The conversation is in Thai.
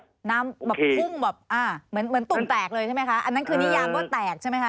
น้ำแบบพุ่งแบบเหมือนตุ่มแตกเลยใช่ไหมคะ